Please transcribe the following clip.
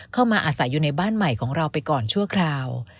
เข้ามาอาศัยอยู่ในบ้านใหม่ของเราไปก่อนชั่วคราว